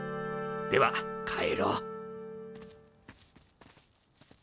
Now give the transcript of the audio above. では帰ろう。